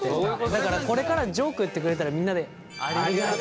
だからこれからジョーク言ってくれたらみんなでやめろ！